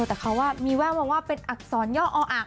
แต่เขามีแววมาว่าเป็นอักษรย่ออัก